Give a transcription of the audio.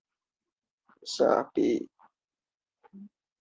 卢嫩堡是位于美国阿肯色州伊泽德县的一个非建制地区。